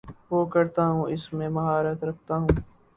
وہ کرتا ہوں اس میں مہارت رکھتا ہوں